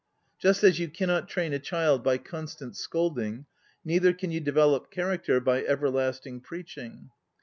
Just as you cannot train a child by constant scolding, neither can you develop character by everlasting preaching.